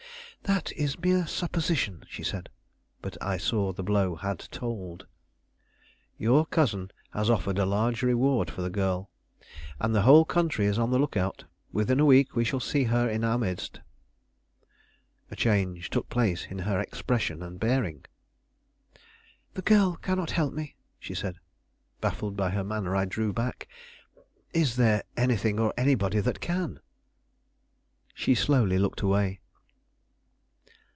"That is mere supposition," she said; but I saw the blow had told. "Your cousin has offered a large reward for the girl, and the whole country is on the lookout. Within a week we shall see her in our midst." A change took place in her expression and bearing. "The girl cannot help me," she said. Baffled by her manner, I drew back. "Is there anything or anybody that can?" She slowly looked away.